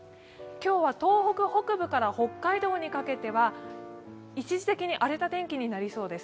今日は東北北部から北海道にかけては一時的に荒れた天気になりそうです。